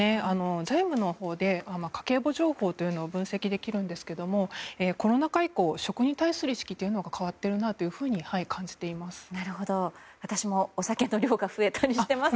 Ｚａｉｍのほうで家計簿情報を分析できるんですがコロナ禍以降食に対する意識が変わってきているなと感じています。